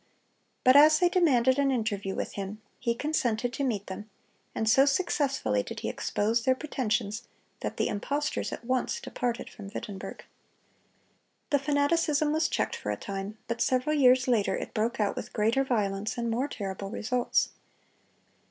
But as they demanded an interview with him, he consented to meet them; and so successfully did he expose their pretensions, that the impostors at once departed from Wittenberg. The fanaticism was checked for a time; but several years later it broke out with greater violence and more terrible results.